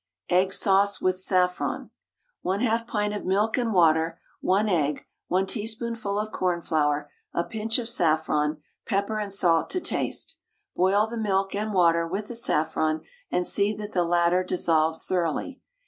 EGG SAUCE WITH SAFFRON. 1/2 pint of milk and water, 1 egg, 1 teaspoonful of cornflour, a pinch of saffron, pepper and salt to taste. Boil the milk and water with the saffron, and see that the latter dissolves thoroughly.